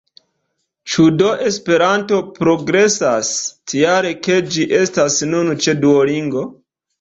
Ĉu do Esperanto pluprogresas, tial ke ĝi estas nun ĉe Duolingo?